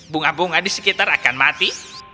bunga bunga di sekitar akan mati